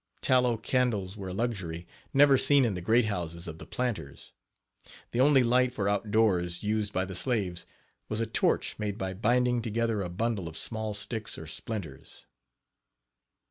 Tallow candles were a luxury, never seen in the "great houses" of the planters. The only light for outdoors used by the slaves was a torch made by binding together a bundle of small sticks or splinters.